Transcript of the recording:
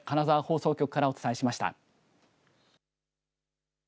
ここまで金沢放送局からお伝えしました。